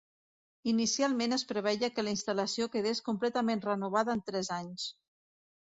Inicialment es preveia que la instal·lació quedés completament renovada en tres anys.